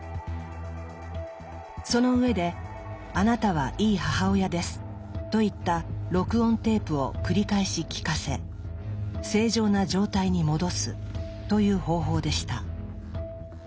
その上で「あなたは良い母親です」といった録音テープを繰り返し聞かせ正常な状態に戻すという方法でした。